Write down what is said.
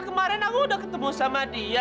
kemarin aku udah ketemu sama dia